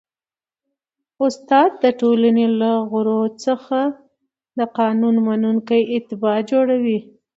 استاد د ټولني له غړو څخه د قانون منونکي اتباع جوړوي.